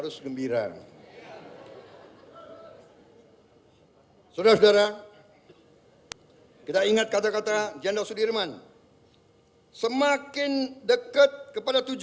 semakin dekat puncak